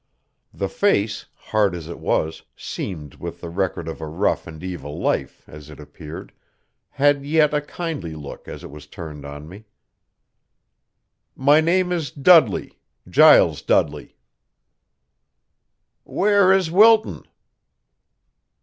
The face, hard as it was, seamed with the record of a rough and evil life, as it appeared, had yet a kindly look as it was turned on me. "My name is Dudley, Giles Dudley." "Where is Wilton?"